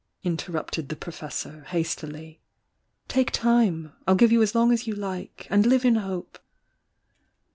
inter rupted the Professor, hastily. '"Take time! I'll give you as long as you like — and live in hope!"